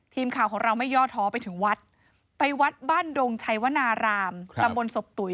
ทีมข่าวของเราไม่ย่อท้อไปถึงวัดไปวัดบ้านดงชัยวนารามตำบลศพตุ๋ย